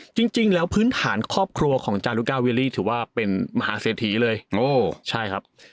จริงแล้วพื้นฐานครอบครัวของจารุกาเวียรี่ถือว่าเป็นมหาเศรษฐีเลยโอ้ใช่ครับ